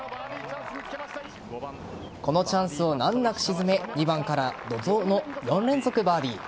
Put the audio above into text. このチャンスを難なく沈め２番から怒涛の４連続バーディー。